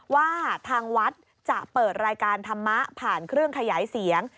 ว่าทางวัดจะเปิดรายการธรรมะผ่านเครื่องขยายเสียง